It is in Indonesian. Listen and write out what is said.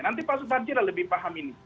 nanti pak subhashira lebih paham ini